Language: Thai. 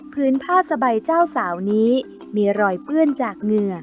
ผ้าสบายเจ้าสาวนี้มีรอยเปื้อนจากเหงื่อ